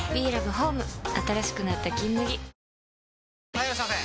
・はいいらっしゃいませ！